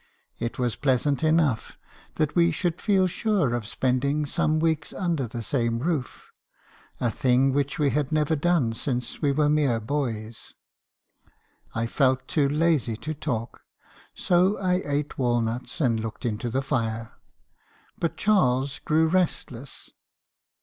It was pleasant enough that we should feel sure of spending some weeks under the same roof, a thing which we had never done since we were mere boys. I felt too lazy to talk, so I eat walnuts and looked into the fire. But Charles grew restless.